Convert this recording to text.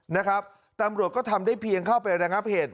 นะครับตำรวจก็ทำได้เพียงเข้าไประงับเหตุ